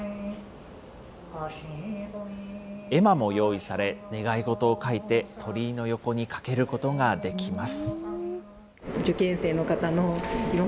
絵馬も用意され、願い事を書いて、鳥居の横に掛けることができます。